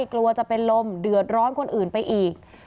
กลัวจะเป็นลมเดือดร้อนคนอื่นไปอีก